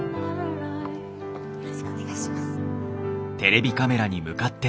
よろしくお願いします。